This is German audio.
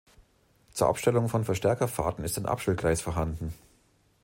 Zur Abstellung von Verstärkerfahrten ist ein Abstellgleis vorhanden.